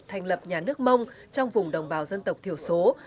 thành lập nhà nước mông trong vùng đồng bào dân tộc thiểu số